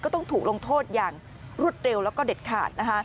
ต้องถูกลงโทษอย่างรวดเร็วแล้วก็เด็ดขาด